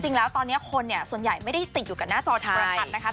จริงแล้วตอนนี้คนเนี่ยส่วนใหญ่ไม่ได้ติดอยู่กับหน้าจอโทรทัศน์นะคะ